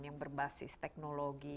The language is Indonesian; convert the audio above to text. yang berbasis teknologi